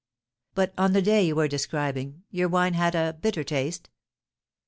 "But, on the day you were describing, your wine had a bitter taste?"